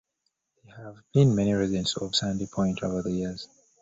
There have been many residents of Sandy Point over the years.